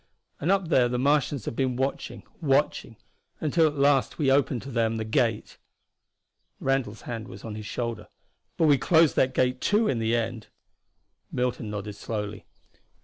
And up there the Martians have been watching, watching until at last we opened to them the gate." Randall's hand was on his shoulder. "But we closed that gate, too, in the end." Milton nodded slowly.